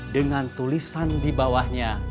dengan tulisan di bawahnya